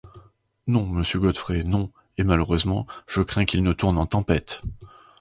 Non, monsieur Godfrey, non... et, malheureusement, je crains qu’il ne tourne en tempête!